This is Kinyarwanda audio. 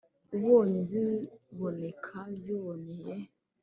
Ubonye ziboneka ziboneye